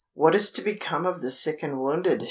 "What is to become of the sick and wounded?"